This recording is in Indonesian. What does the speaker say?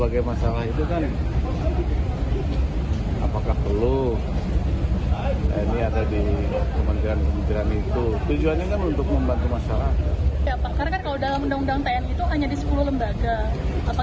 karena kan kalau dalam undang undang tni itu hanya di sepuluh lembaga apakah akan ditambah di misalnya